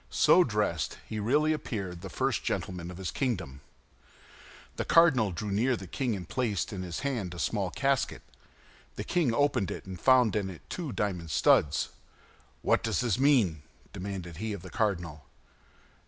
So dressed, he really appeared the first gentleman of his kingdom. The cardinal drew near to the king, and placed in his hand a small casket. The king opened it, and found in it two diamond studs. "What does this mean?" demanded he of the cardinal.